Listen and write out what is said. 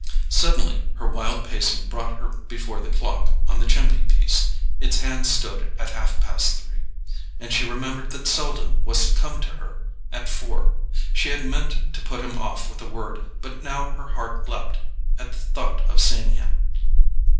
Suddenly her wild pacing brought her before the clock on the chimney piece. Its hands stood at half past three, and she remembered that Selden was to come to her at four. She had meant to put him off with a word—but now her heart leaped at the thought of seeing him.